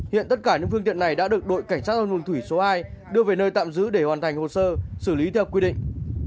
hiện tất cả những phương tiện này đã được đội cảnh sát giao thông thủy số hai đưa về nơi tạm giữ để hoàn thành hồ sơ xử lý theo quy định